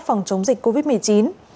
phòng chống dịch covid một mươi chín